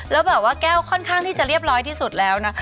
แล้วแบบว่าแก้วค่อนข้างที่จะเรียบร้อยที่สุดแล้วนะ